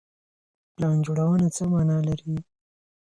پلان جوړونه څه معنا لري؟